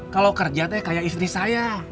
kalau kerja teh kayak istri saya